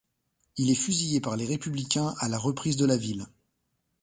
Il est fusillé par les républicains à la reprise de la ville.